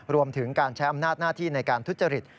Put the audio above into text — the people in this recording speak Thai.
รวมถึงการใช้อำนาจหน้าที่ในการทุจริต